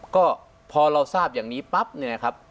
ก็พอเราทราบอย่างนี้ป๊าบ